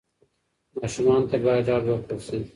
ماشومانو ته باید ډاډ ورکړل سي.